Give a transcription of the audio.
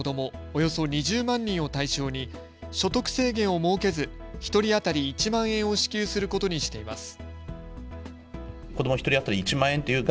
およそ２０万人を対象に所得制限を設けず１人当たり１万円を支給することにしています。